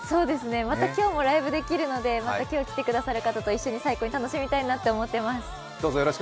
また今日もライブできるので、また今日来てくださる人と一緒に最高に楽しみたいなって思ってます。